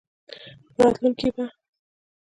په راتلونکې کې به